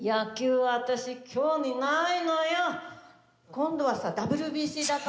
今度はさＷＢＣだから。